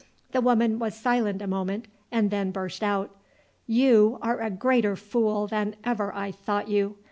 The woman was silent a moment and then burst out, "You are a greater fool than ever I thought you!